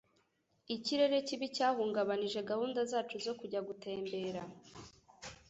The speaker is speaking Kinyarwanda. Ikirere kibi cyahungabanije gahunda zacu zo kujya gutembera.